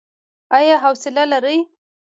ایا حوصله لرئ؟